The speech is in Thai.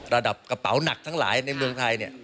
ระดับกระเป๋าหนักทั้งหลายในเมืองไทยเนี่ย